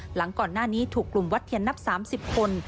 หลังก่อนหน้านี้ถูกกลุ่มวัดเทียนนับ๓๐คน